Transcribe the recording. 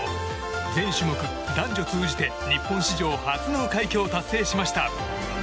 全種目、男女通じて日本史上初の快挙を達成しました。